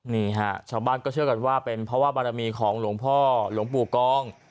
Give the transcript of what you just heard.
นี่ฮะชาวบ้านก็เชื่อกันว่าเป็นเพราะว่าบารมีของหลวงพ่อหลวงปู่กอง